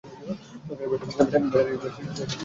Battery ছাড়াই চলে।